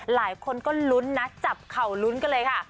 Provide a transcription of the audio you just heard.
หลายคนก็ลุ้นนะจับเข่าลุ้นกันเลยค่ะ